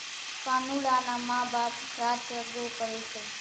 ڪانوڙا نان ما ٻاپ راچ زڳو ڪري سي